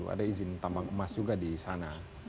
ada izin tambang emas juga di sana